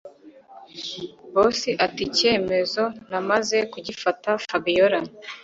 Boss atiicyemezo namaze kugifata Fabiora